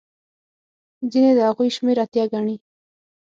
ځینې د هغوی شمېر ایته ګڼي.